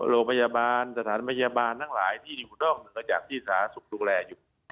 โรงพยาบาลสถานพยาบาลทั้งหลายที่อยู่นอกเหนือจากที่สาธารณสุขดูแลอยู่